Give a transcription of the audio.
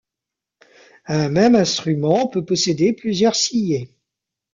Un même instrument peut posséder plusieurs sillets.